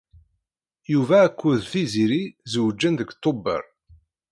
Yuba akked Tiziri zewǧen deg Tubeṛ.